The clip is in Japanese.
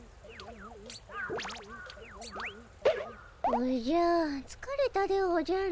おじゃつかれたでおじゃる。